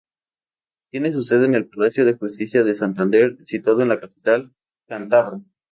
Tiene su sede en el Palacio de Justicia de Santander situado en capital cántabra.